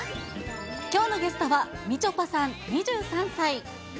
きょうのゲストは、みちょぱさん２３歳。